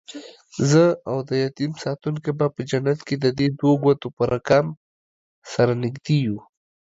زه اودیتیم ساتونکی به په جنت کې ددې دوو ګوتو رکم، سره نږدې یو